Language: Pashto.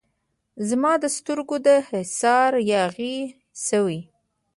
زما د سترګو د حصاره یاغي شوی